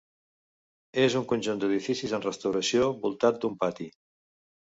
És un conjunt d'edificis en restauració voltat d'un pati.